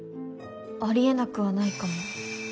ありえなくはないかも。